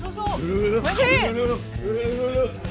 สู้เพื่อนที่ดู